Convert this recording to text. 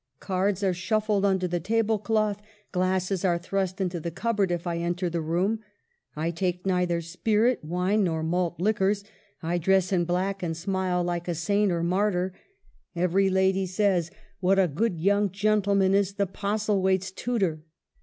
Cards are shuffled under the table cloth, glasses are thrust into the cupboard, if I enter the room. I take neither spirit, wine, nor malt liquors. I dress in black, and smile like a saint or martyr. Every lady says, 'What a good young gentleman is the Postlethwaites' tutor.'